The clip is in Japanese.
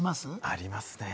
ありますね。